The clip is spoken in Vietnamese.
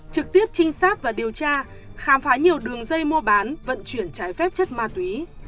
trực tiếp trinh sát và điều tra khám phá nhiều đường dây mua bán vận chuyển trái phép chất ma túy